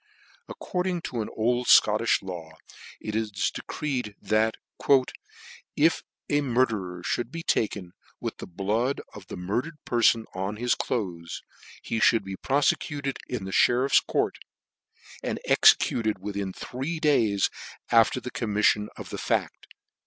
According to an old Scottifh law it was decreed, that " if a murderer Ihould be taken with the " blood of the murdered perfon on his cloaths, " he mould be piofecuted in the IherifPs court, " and executed within three days after the com c miflion of the fact."